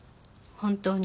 本当に？